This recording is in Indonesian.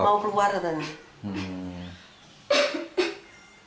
mau keluar katanya